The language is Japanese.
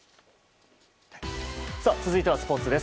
続いてはスポーツです。